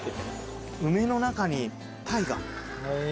梅の中にタイが？